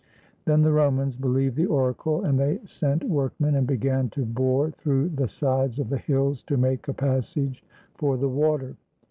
Then the Romans believed the oracle, and they sent work 314 THE FALL OF VEII men, and began to bore through the sides of the hills to make a passage for the water.